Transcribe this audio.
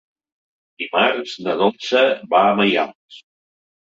Dimarts na Dolça va a Maials.